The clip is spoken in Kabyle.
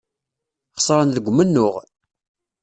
Xesren deg umennuɣ.